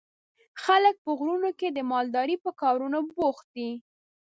خلک په غرونو کې د مالدارۍ په کارونو بوخت دي.